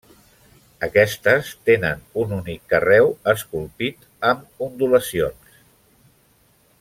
Aquestes, tenen un únic carreu esculpit amb ondulacions.